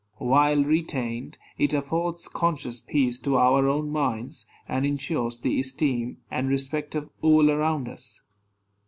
While retained, it affords conscious peace to our own minds, and insures the esteem and respect of all around us.